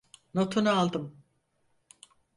Notunu aldım.